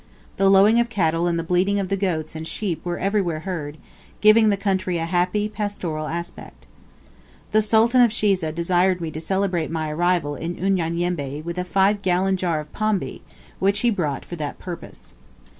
The lowing of cattle and the bleating of the goats and sheep were everywhere heard, giving the country a happy, pastoral aspect. The Sultan of Shiza desired me to celebrate my arrival in Unyanyembe, with a five gallon jar of pombe, which he brought for that purpose.